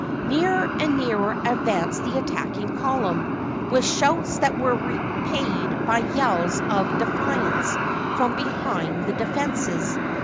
Nearer and nearer advanced the attacking column, with shouts that were repaid by yells of defiance from behind the defences.